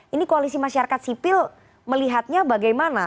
ini koalisi masyarakat sipil melihatnya bagaimana